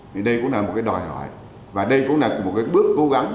thì đây cũng là một cái đòi hỏi và đây cũng là một cái bước cố gắng